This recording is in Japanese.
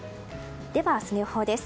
では、明日の予報です。